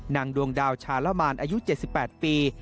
ดวงดาวชาละมานอายุ๗๘ปี